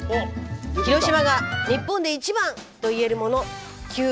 広島が日本で一番と言えるもの９品目です。